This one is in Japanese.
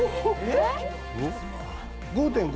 「えっ？」